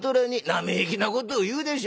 生意気なことを言うでしょう。